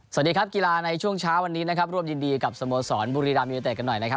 สวัสดีครับกีฬาในช่วงเช้าวันนี้นะครับร่วมยินดีกับสโมสรบุรีรามยูเนเต็ดกันหน่อยนะครับ